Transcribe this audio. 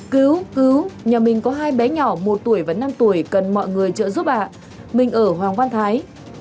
cứu cứu nhà mình có hai bé nhỏ một tuổi và năm tuổi cần mọi người trợ giúp bạn mình ở hoàng văn thái